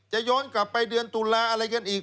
ย้อนกลับไปเดือนตุลาอะไรกันอีก